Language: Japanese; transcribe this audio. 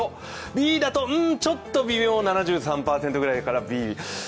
Ｂだとちょっと微妙、７３％くらいからＢ。